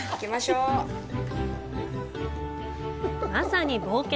まさに冒険！